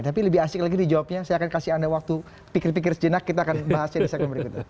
tapi lebih asik lagi dijawabnya saya akan kasih anda waktu pikir pikir sejenak kita akan bahasnya di segmen berikutnya